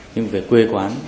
nhưng về quê quán